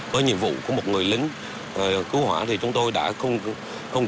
với nhiệm vụ của một người lính cứu hỏa thì chúng tôi đã không